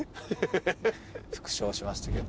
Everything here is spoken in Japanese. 復唱しましたけど。